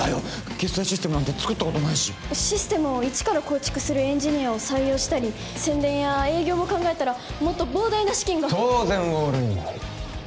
決済システムなんて作ったことないしシステムを一から構築するエンジニアを採用したり宣伝や営業も考えたらもっと膨大な資金が当然オールイン！